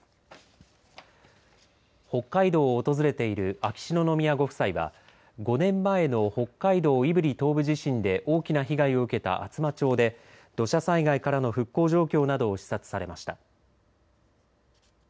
北海道を訪れている秋篠宮ご夫妻は５年前の北海道胆振東部地震で大きな被害を受けた厚真町で土砂災害からの復興状況などを視察されました。